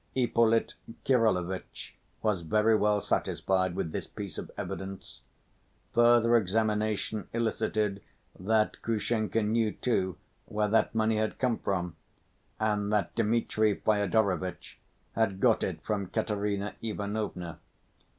Ippolit Kirillovitch was very well satisfied with this piece of evidence. Further examination elicited that Grushenka knew, too, where that money had come from, and that Dmitri Fyodorovitch had got it from Katerina Ivanovna.